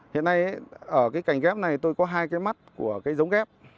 hiện nay ở cái cành ghép này tôi có hai cái mắt của cái giống ghép